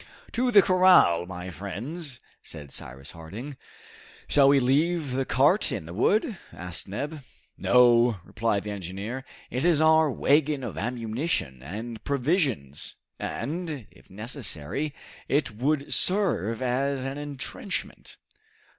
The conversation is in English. "To the corral, my friends!" said Cyrus Harding. "Shall we leave the cart in the wood?" asked Neb. "No," replied the engineer, "it is our wagon of ammunition and provisions, and, if necessary, it would serve as an entrenchment."